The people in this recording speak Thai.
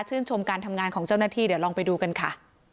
ชมการทำงานของเจ้าหน้าที่เดี๋ยวลองไปดูกันค่ะ